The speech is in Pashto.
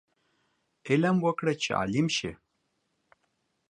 علم وکړه چې عالم شې